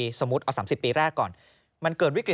อย่างสามสิบปีแรกก่อนมันเกิดวิกฤติ